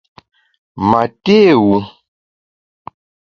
Ma té wu !